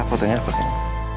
foto nya seperti ini